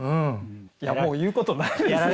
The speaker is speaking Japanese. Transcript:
いやもう言うことないですね。